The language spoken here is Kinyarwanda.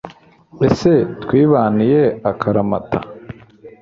ese twibaniye akaramata